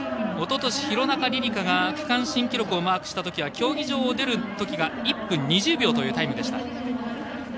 おととし、廣中璃梨佳が区間新記録をマークしたときは競技場を出たときが１分２０秒というタイムでした。